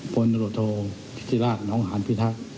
พลโรโธพิธิราชน้องหารพิทักษ์